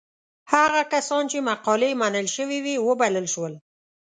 هغه کسان چې مقالې یې منل شوې وې وبلل شول.